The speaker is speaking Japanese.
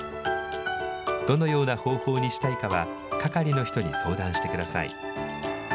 どのような方法にしたいかは、係の人に相談してください。